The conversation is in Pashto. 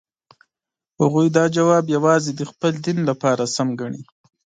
هغوی دا ځواب یوازې د خپل دین په اړه سم ګڼي.